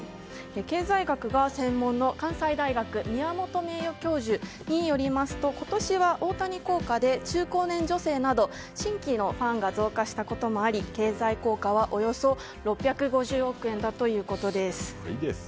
経済学が専門の、関西大学の宮本名誉教授によりますと今年は大谷効果で中高年女性など新規のファンが増加したこともあり経済効果は、およそ６５０億円だということです。